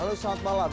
halo selamat malam